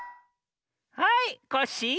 はいコッシー！